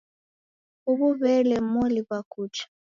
Huw'u w'ele moliw'a kucha